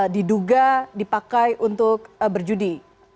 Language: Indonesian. diduga dipakai untuk berjudi